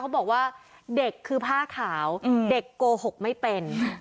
บอกว่าเด็กคือผ้าขาวเด็กโกหกไม่เป็น